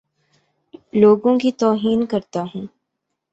لوگوں کی توہین کرتا ہوں